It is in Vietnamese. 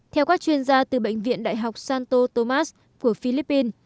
theo các chuyên gia từ bệnh viện đại học santo tomas của philippines